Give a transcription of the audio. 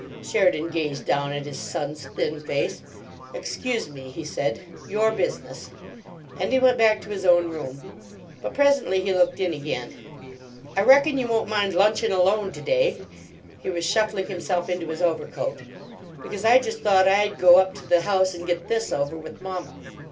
Sheridan gazed down at his son's thin face. "Excuse me," he said. "Your business." And he went back to his own room. But presently he looked in again. "I reckon you won't mind lunchin' alone to day" he was shuffling himself into his overcoat "because I just thought I'd go up to the house and get THIS over with mamma."